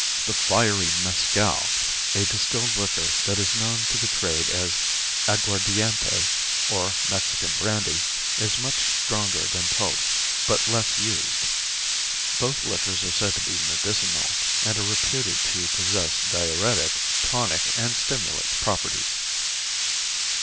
The fiery mescal, a distilled liquor that is known to the trade as aguardiente, or Mexican brandy, is much stronger than pulque, but less used. Both liquors are said to be medicinal, and are reputed to possess diuretic, tonic and stimulant properties.